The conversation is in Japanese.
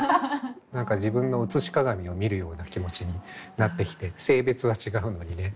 何か自分の映し鏡を見るような気持ちになってきて性別は違うのにね。